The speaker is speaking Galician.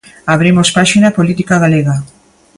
Abrimos páxina política galega.